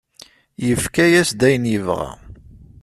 Yefka-as-d ayen yebɣa.